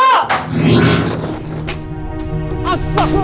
ustaz lu sana bencana